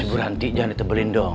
ibu ranti jangan ditebelin dong